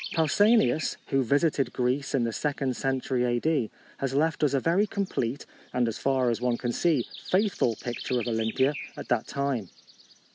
Pau sanias, who visited Greece in tin second century A.D., has left us a very complete, and, as far as one can see, faithful picture of Olympia at that time.